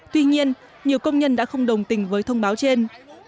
tuy nhiên nhiều công nhân đã không đồng tình với thông báo trên